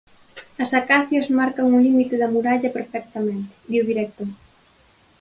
"As acacias marcan o límite da muralla perfectamente", di o director.